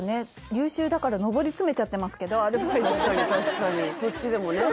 優秀だから上り詰めちゃってますけどアルバイトとして確かに確かにそっちでもね